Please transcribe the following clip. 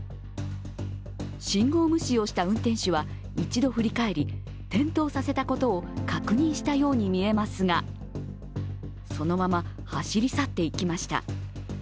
信号無視をした運転手は１度振り返り、転倒させたことを確認したように見えますがそのまま走り去っていきました。